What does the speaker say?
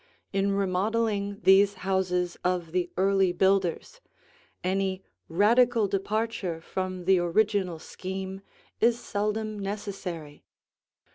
In remodeling these houses of the early builders, any radical departure from the original scheme is seldom necessary.